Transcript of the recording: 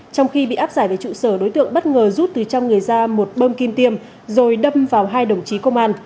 trong khi bị áp giải về trụ sở đối tượng bất ngờ rút từ trong người ra một bơm kim tiêm rồi đâm vào hai đồng chí công an